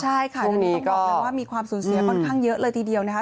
ใช่ค่ะดังนี้ต้องบอกเลยว่ามีความสูญเสียค่อนข้างเยอะเลยทีเดียวนะคะ